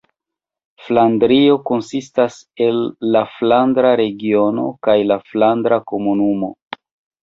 Flandrio konsistas el la Flandra Regiono kaj la Flandra Komunumo.